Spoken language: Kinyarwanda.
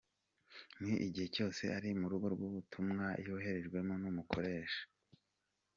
N’igihe cyose ari mu rugendo rw’ubutumwa yoherejwemo n’umukoresha.